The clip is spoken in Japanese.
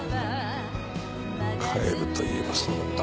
帰るといえばそうだった。